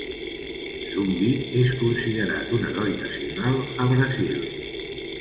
Zumbi és considerat un heroi nacional a Brasil.